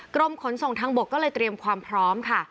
กรมขนส่งทางบกก็เลยเตรียมความพร้อมค่ะ